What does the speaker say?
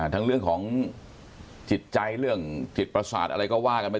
เรื่องของจิตใจเรื่องจิตประสาทอะไรก็ว่ากันไป